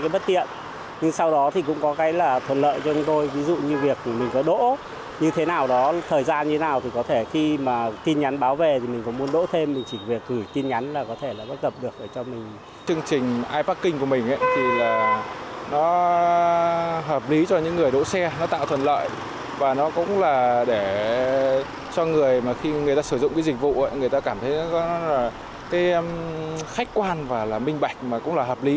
và nó cũng là để cho người mà khi người ta sử dụng cái dịch vụ ấy người ta cảm thấy nó là cái khách quan và là minh bạch mà cũng là hợp lý